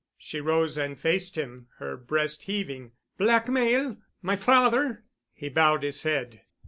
She rose and faced him, her breast heaving. "Blackmail! My father——" He bowed his head.